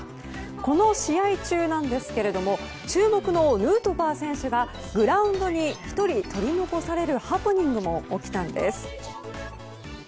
この試合中ですが注目のヌートバー選手がグラウンドに１人取り残されるハプニングも起きたんです。